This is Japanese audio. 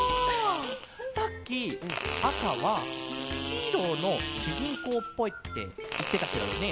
さっき「あかはヒーローのしゅじんこうっぽい」っていってたケロよね？